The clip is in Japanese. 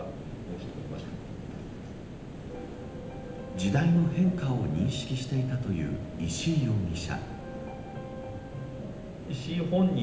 時代の変化を認識していたという石井容疑者。